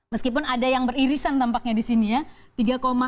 meskipun ada yang beririsan tampaknya di sini ya